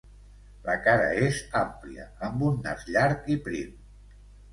La cara és àmplia amb un nas llarg i prim.